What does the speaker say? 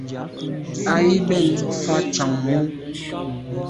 Á jí bɛ́n fá chàŋ mú.